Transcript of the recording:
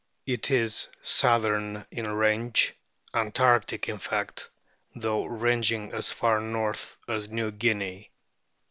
It is southern in range, antarctic in fact, though ranging as far north as New Guinea.